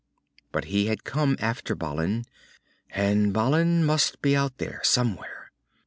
But he had come after Balin, and Balin must be out there somewhere.